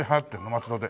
松戸で。